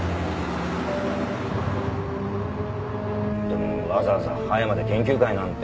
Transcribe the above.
でもわざわざ葉山で研究会なんて。